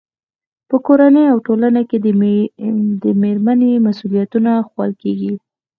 په کورنۍ او ټولنه کې د مېرمنې مسؤلیتونه ښوول کېږي.